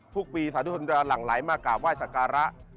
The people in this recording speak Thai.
ทุกปีสาธุชนจะหลั่งไหลมากราบไห้สักการะ